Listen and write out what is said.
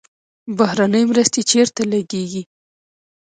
بهرنۍ مرستې چیرته لګیږي؟